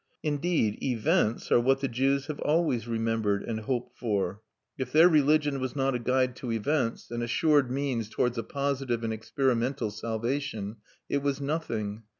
Indeed, events are what the Jews have always remembered and hoped for; if their religion was not a guide to events, an assured means towards a positive and experimental salvation, it was nothing.